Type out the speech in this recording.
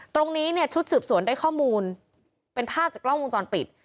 ตรงนี้เนี่ยชุดสืบสวนได้ข้อมูลเป็นภาพจากกล้องวงจรปิด